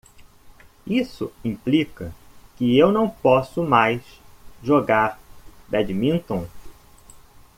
Isso implica que eu não posso mais jogar badminton?